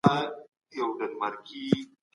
د پرواز فکر یې نه و نور په سر کي